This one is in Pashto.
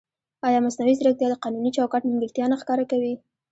ایا مصنوعي ځیرکتیا د قانوني چوکاټ نیمګړتیا نه ښکاره کوي؟